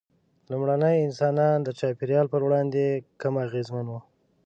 لومړني انسانان د چاپېریال پر وړاندې کم اغېزمن وو.